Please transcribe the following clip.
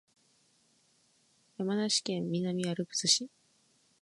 山梨県南アルプス市